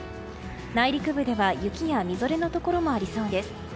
内陸部では雪やみぞれのところもありそうです。